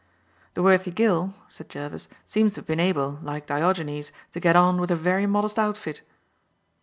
"The worthy Gill," said Jervis, "seems to have been able, like Diogenes, to get on with a very modest outfit."